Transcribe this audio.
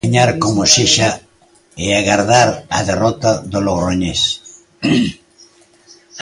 Gañar como sexa e agardar a derrota do Logroñés.